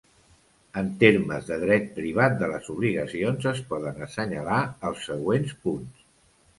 En termes de dret privat de les obligacions, es poden assenyalar els següents punts.